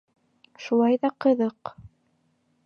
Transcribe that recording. Шулай ҙа ҡыҙыҡ.